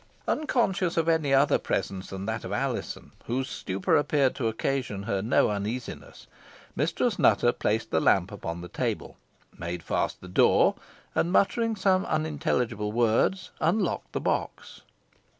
Unconscious of any other presence than that of Alizon, whose stupor appeared to occasion her no uneasiness, Mistress Nutter, placed the lamp upon the table, made fast the door, and, muttering some unintelligible words, unlocked the box.